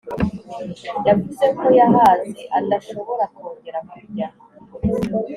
yavuze ko yahaze adashobora kongera kurya